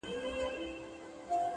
په دامنځ کي پیل هم لرو بر ځغستله!